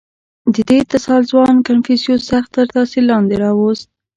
• دې اتصال ځوان کنفوسیوس سخت تر تأثیر لاندې راوست.